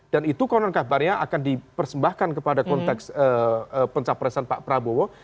dan itu konon kabarnya akan dipersembahkan kepada konteks pencapresan pak prabowo